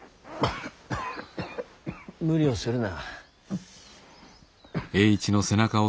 無理をするな。